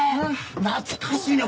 懐かしいね！